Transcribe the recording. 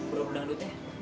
burung udang dutnya